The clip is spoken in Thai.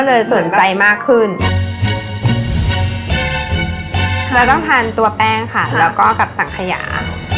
เราต้องทานตัวแป้งค่ะแล้วก็กับสังขยา